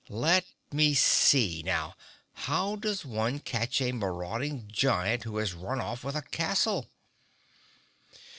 Let me see, now—how does one catch a marauding giant who has run off with a castle?"